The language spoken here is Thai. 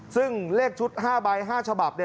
ซึ่งเลขชุด๕ใบ๕ฉบับ